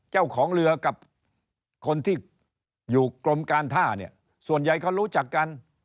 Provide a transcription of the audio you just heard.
เจ้าของเรือกับคนที่อยู่กรมการท่าเนี่ยส่วนใหญ่เขารู้จักกัน